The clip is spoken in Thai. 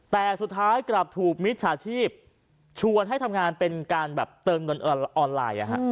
แต่สุดท้ายกลับถูกมิจฉาชีพชวนให้ทำงานเป็นการแบบเติมเงินออนไลน์